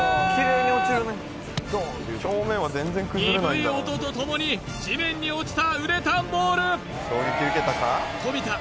鈍い音とともに地面に落ちたウレタンボール冨田